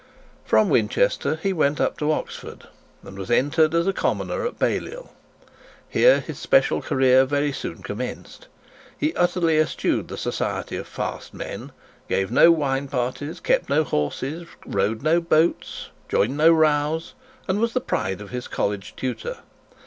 From Winchester he went to Oxford, and was entered as a commoner at Balliol. Here his special career very soon commenced. He utterly eschewed the society of fast men, gave no wine parties, kept no horses, rowed no boats, joined no rows, and was the pride of his college tutor.